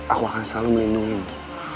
aku akan selalu melindungimu